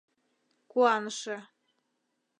Куаныше.